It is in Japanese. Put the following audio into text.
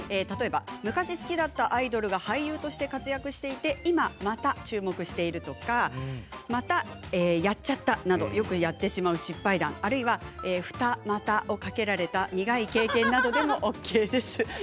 例えば昔好きだったアイドルが俳優として活躍していてまたまた注目しているとかまたやっちゃったなどよくやってしまう失敗談あるいは二股をかけられた苦い経験などでもＯＫです。